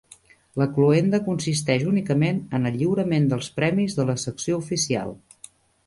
La cloenda consisteix únicament en el lliurament dels premis de la Secció Oficial.